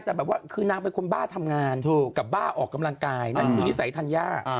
แต่แบบว่าคือนางเป็นคนบ้าทำงานกับบ้าออกกำลังกายนั่นคือนิสัยธัญญา